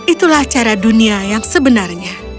itulah cara dunia yang sebenarnya